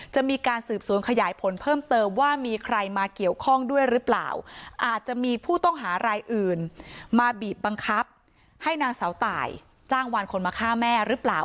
จะมีการสืบสวนขยายผลเพิ่มเติมว่ามีใครมาเกี่ยวข้องด้วยหรือเปล่าอาจจะมีผู้ต้องหารายอื่นมาบีบบังคับให้นางเสาตายจ้างวานคนมาฆ่าแม่หรือเปล่า